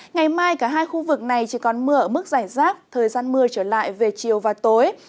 ngày mai cả hai khu vực này chỉ còn mưa ở mức giải rác thời gian mưa trở lại về chiều và tối